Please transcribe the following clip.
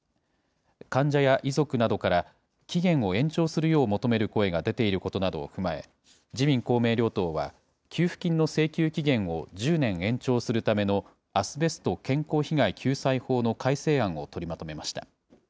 患者や遺族などから期限を延長するよう求める声が出ていることなどを踏まえ、自民、公明両党は、給付金の請求期限を１０年延長するためのアスベスト健康被害救済法の改正案を取りまとめました。